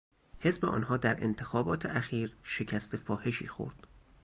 حزب آنها در انتخابات اخیر شکست فاحشی خورد.